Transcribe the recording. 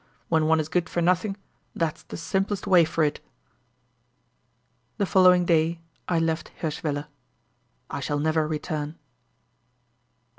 When one is good for nothing, that's the simplest way for it." The following day I left Hirschwiller. I shall never return.